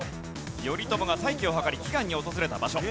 頼朝が再起を図り祈願に訪れた場所。